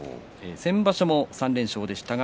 先場所も３連勝でした